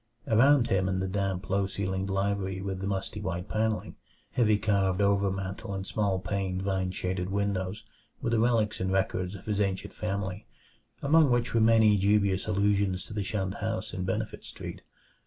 Around him in the damp, low ceiled library with the musty white panelling, heavy carved overmantel and small paned, vine shaded windows, were the relics and records of his ancient family, among which were many dubious allusions to the shunned house in Benefit Street.